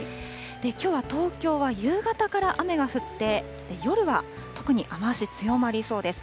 きょうは東京は夕方から雨が降って、夜は特に雨足、強まりそうです。